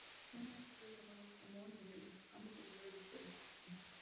Fue el menor de tres hermanos: Ramón y Amelia, ambos profesores de historia.